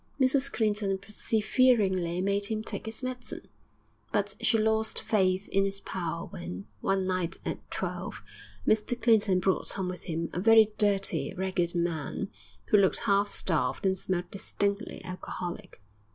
Mrs Clinton perseveringly made him take his medicine, but she lost faith in its power when, one night at twelve, Mr Clinton brought home with him a very dirty, ragged man, who looked half starved and smelt distinctly alcoholic.